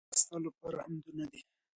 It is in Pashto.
اې الله ! ستا لپاره حمدونه دي